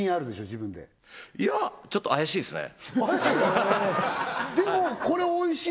自分でいやちょっと怪しいっすね怪しい？